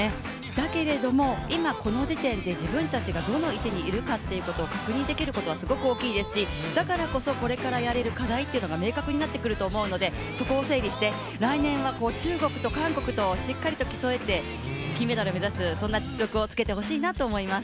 だけれども、今この時点で自分たちがどの位置にいるかっていうことを確認できることはすごく大きいですし、だからこそこれからやれる課題というのが明確になってくると思うのでそこを整理して来年は中国と韓国としっかりと競えて、金メダルを目指すそんな実力をつけてほしいなと思います。